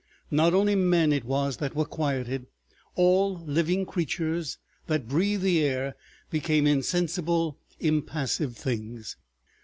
Not only men it was that were quieted, all living creatures that breathe the air became insensible, impassive things.